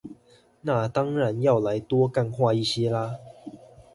那當然要來多幹話一些啦